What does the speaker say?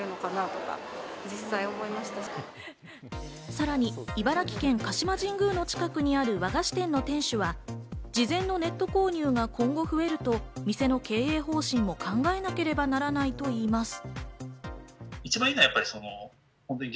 さらに茨城県鹿島神宮の近くにある和菓子店の店主は、事前のネット購入が今後増えると、店の経営方針を考えなければならないといいます。